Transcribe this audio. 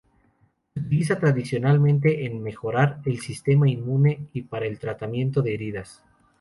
Se utiliza tradicionalmente en mejorar el sistema inmune y para el tratamiento de heridas.